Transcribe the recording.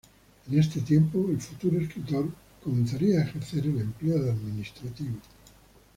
En este tiempo, el futuro escritor comenzaría a ejercer el empleo de administrativo.